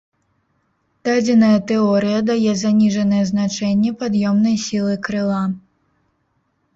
Дадзеная тэорыя дае заніжанае значэнне пад'ёмнай сілы крыла.